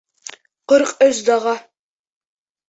Ҡырк өс даға.